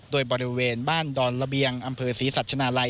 โดยบริเวณบ้านดอนระเบียงอำเภอศรีสัชนาลัย